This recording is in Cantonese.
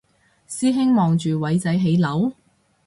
師兄望住偉仔起樓？